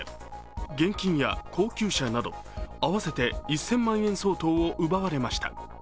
現金や高級車など合わせて１０００万円相当を奪われました。